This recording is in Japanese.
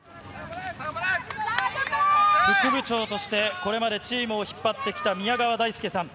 副部長として、これまでチームを引っ張ってきた宮川大輔さん。